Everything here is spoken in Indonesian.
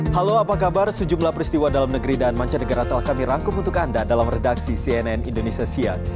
halo apa kabar sejumlah peristiwa dalam negeri dan mancanegara telah kami rangkum untuk anda dalam redaksi cnn indonesia siang